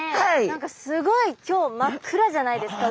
何かすごい今日真っ暗じゃないですか？